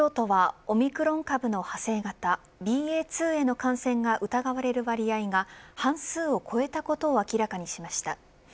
東京都はオミクロン株の派生型ＢＡ．２への感染が疑われる割合が半数を超えたことを明らかにしました。